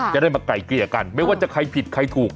จะได้มาไกลเกลี่ยกันไม่ว่าจะใครผิดใครถูก